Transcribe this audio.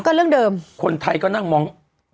ก็เรื่องเดิมคนไทยก็นั่งมอง